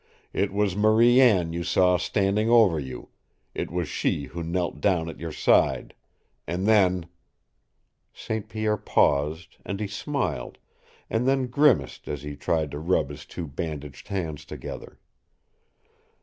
It was Marie Anne you saw standing over you, it was she who knelt down at your side, and then " St. Pierre paused, and he smiled, and then grimaced as he tried to rub his two bandaged hands together.